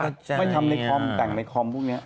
ไม่ทำในคอมแต่งในคอมพวกนี้